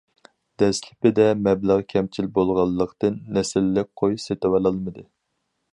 دەسلىپىدە مەبلەغ كەمچىل بولغانلىقتىن، نەسىللىك قوي سېتىۋالالمىدى.